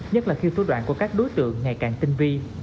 nhất là khiếu tố đoạn của các đối tượng ngày càng tinh vi